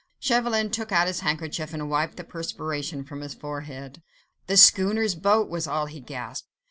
Chauvelin took out his handkerchief and wiped the perspiration from his forehead. "The schooner's boat!" was all he gasped.